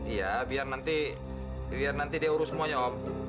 iya biar nanti dia urus semuanya om